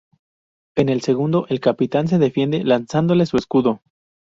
En el segundo el Capitán se defiende lanzándole su escudo.